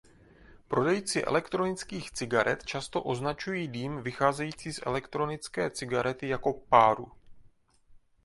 Prodejci elektronických cigaret často označují dým vycházející z elektronické cigarety jako páru.